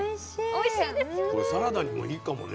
これサラダにもいいかもね。